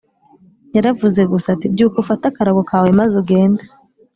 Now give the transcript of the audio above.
Yaravuze gusa ati, “Byuka ufate akarago kawe maze ugende.